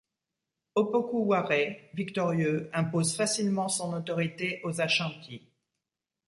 Opokou Waré, victorieux, impose facilement son autorité aux Achanti.